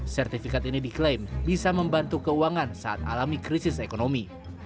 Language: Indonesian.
sertifikat ini diklaim bisa membantu keuangan saat alami krisis ekonomi